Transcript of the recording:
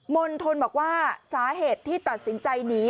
มณฑลบอกว่าสาเหตุที่ตัดสินใจหนี